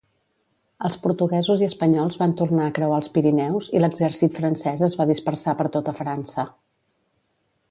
Els portuguesos i espanyols van tornar a creuar els Pirineus i l'exèrcit francès es va dispersar per tota França.